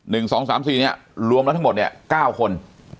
๑๒๓๔เนี่ยรวมแล้วทั้งหมดเนี่ย๙คน